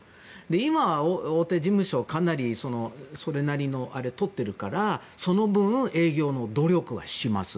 今は大手事務所かなりそれなりのをあれを取っているからその分、営業の努力はします。